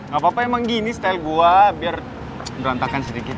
gapapa emang gini style gue biar berantakan sedikit